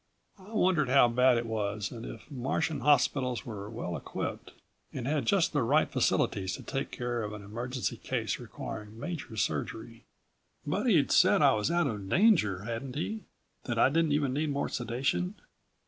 I wondered how bad it was and if Martian hospitals were well equipped, and had just the right facilities to take care of an emergency case requiring major surgery. But he'd said I was out of danger, hadn't he ... that I didn't even need more sedation?